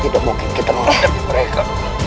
tidak mungkin kita menghadapi mereka